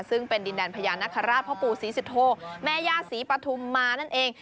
ซึ่งเป็นดินแดนพญานาคาราชพ่อปู่ศรีสุโธแม่ย่าศรีปฐุมมานั่นเอง